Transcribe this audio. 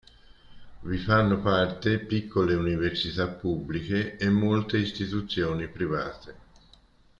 Vi fanno parte piccole università pubbliche e molte istituzioni private.